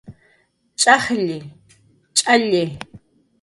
Ch'ajlli, Ch'alli